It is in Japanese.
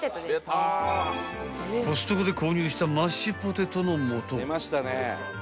［コストコで購入したマッシュポテトのもと］